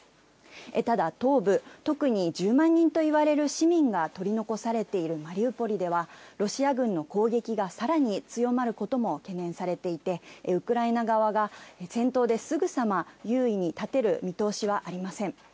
ただ、東部、特に１０万人といわれる市民が取り残されているマリウポリでは、ロシア軍の攻撃がさらに強まることも懸念されていて、ウクライナ側が戦闘ですぐさま優位に立てる見通しはありません。